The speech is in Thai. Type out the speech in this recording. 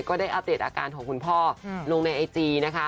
ก็ได้อัปเดตอาการของคุณพ่อลงในไอจี